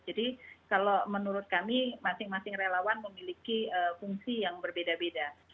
jadi kalau menurut kami masing masing relawan memiliki fungsi yang berbeda beda